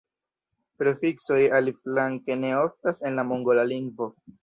Prefiksoj, aliflanke, ne oftas en la mongola lingvo.